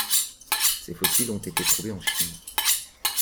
Ses fossiles ont été trouvés en Chine.